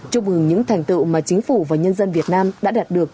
chúc mừng những thành tựu mà chính phủ và nhân dân việt nam đã đạt được